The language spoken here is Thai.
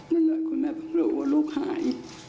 นั่นแหละคุณแม่เพิ่งรู้ว่าลูกหาย